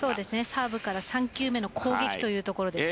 サーブから３球目の攻撃というところです。